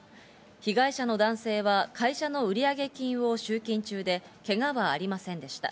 被害者の男性は会社の売上金を集金中で、けがはありませんでした。